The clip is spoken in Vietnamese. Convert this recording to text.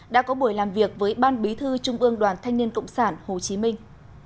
đã có buổi làm việc với ban bí thư trung ương đoàn thanh niên cộng sản hồ chí minh